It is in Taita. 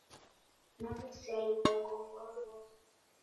Naw'esea lughongo mboa mboa.